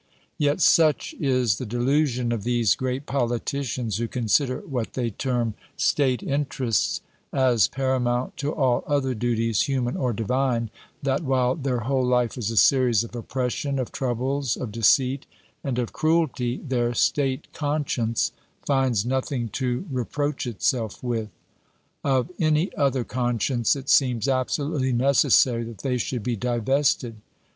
Yet such is the delusion of these great politicians, who consider what they term state interests as paramount to all other duties, human or divine, that while their whole life is a series of oppression, of troubles, of deceit, and of cruelty, their state conscience finds nothing to reproach itself with. Of any other conscience it seems absolutely necessary that they should be divested.